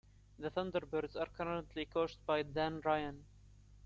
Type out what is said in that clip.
The Thunderbirds are currently coached by Dan Ryan.